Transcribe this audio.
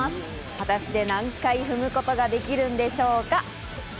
果たして何回踏むことができるんでしょうか。